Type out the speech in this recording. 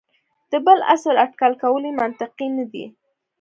د بل عصر اټکل کول منطقي نه دي.